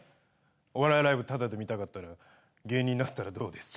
お笑いライブタダで見たかったら芸人になったらどうですか。